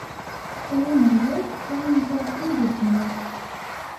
Ay Ameɣlal, ay anezzarfu n leǧnas.